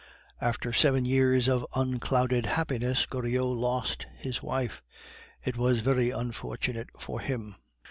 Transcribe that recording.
After seven years of unclouded happiness, Goriot lost his wife. It was very unfortunate for him.